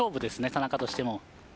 田中としても。